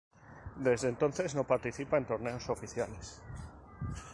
Desde entonces no participa en torneos oficiales